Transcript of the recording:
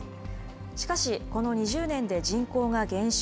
しかし、この２０年で人口が減少。